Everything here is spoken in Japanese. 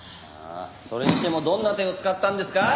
それにしてもどんな手を使ったんですか？